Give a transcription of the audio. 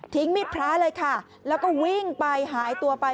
มิดพระเลยค่ะแล้วก็วิ่งไปหายตัวไป